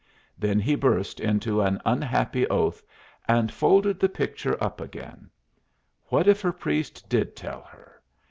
Then he burst into an unhappy oath, and folded the picture up again. What if her priest did tell her?